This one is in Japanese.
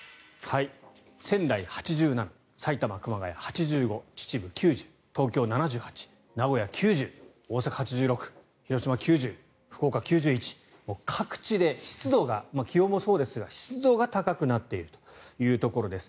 仙台、８７埼玉・熊谷、８５秩父、９０東京、７８名古屋、９０大阪、８６広島、９０福岡、９１気温もですが各地で湿度が高くなっているというところです。